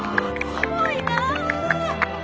すごいなぁ。